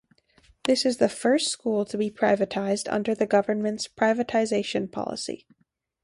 This is the first school to be privatized under the government's privatization policy.